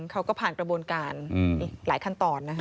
เขาก็ผ่านกระบวนการหลายขั้นตอนนะคะ